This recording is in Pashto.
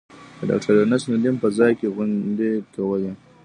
د ډاکټر یونس ندیم په ځای کې غونډې کولې.